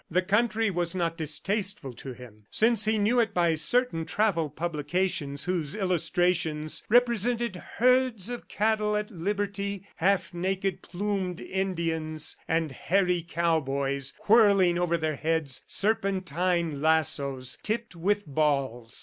The country was not distasteful to him, since he knew it by certain travel publications whose illustrations represented herds of cattle at liberty, half naked, plumed Indians, and hairy cowboys whirling over their heads serpentine lassos tipped with balls.